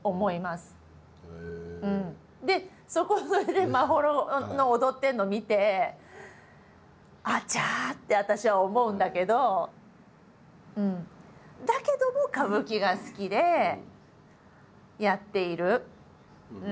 でそこで眞秀の踊ってるのを見てあちゃって私は思うんだけどだけども歌舞伎が好きでやっている。